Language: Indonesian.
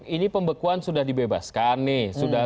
ini pembekuan sudah dibebaskan nih